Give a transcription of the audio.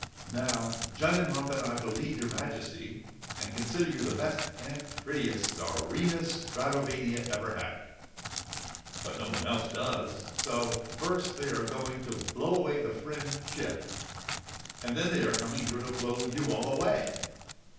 "Now Junnenrump and I believe your Majesty, and consider you the best and prettiest Starina Stratovania ever had! But no one else does, so first they are going to blow away the Friend Ship and then they are coming here to blow you all away!